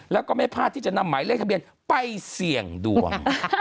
แล้วก็ไม่พลาดที่จะนำหมายเลขทะเบียนไปเสี่ยงดวง